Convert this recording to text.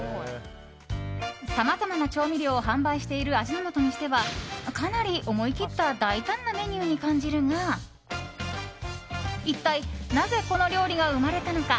さまざまな調味料を販売している味の素にしてはかなり思い切った大胆なメニューに感じるが一体なぜこの料理が生まれたのか。